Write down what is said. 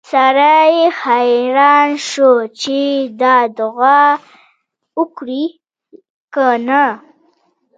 سړی حیران شو چې د باران دعا وکړي که نه